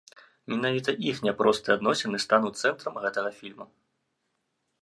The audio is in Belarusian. Менавіта іх няпростыя адносіны стануць цэнтрам гэтага фільму.